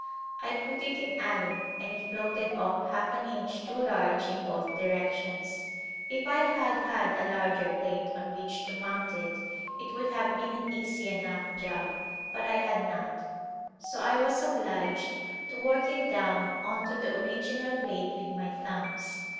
I put it in alum, and it floated off half an inch too large in both directions. If I had had a larger plate on which to mount it, it would have been an easy enough job, but I had not, so I was obliged to work it down on to the original plate with my thumbs.